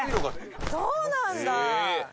そうなんだ。